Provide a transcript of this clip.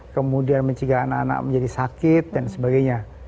kemudian mencegah anak anak menjadi sakit dan sebagainya